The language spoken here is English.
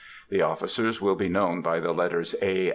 The officers will be known by the letters A.